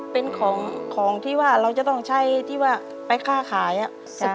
เป็นของของที่ว่าเราจะต้องใช้ที่ว่าไปค่าขายอ่ะ